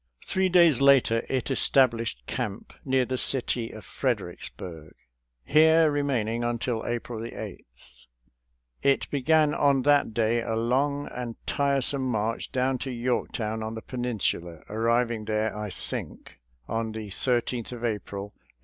Three days later it established camp near the city of Fredericksburg. Here remaining until April 8, it began on that day a long and tiresome march down to York town on the Peninsula, arriving there, I think, on the 13th of April, 1862.